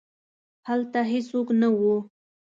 هلته هیڅوک نه وو.